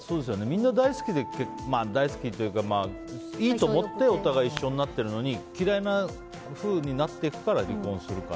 みんな大好きでというか好きと思ってお互い一緒になっているのに嫌いなふうになっていくから離婚するから。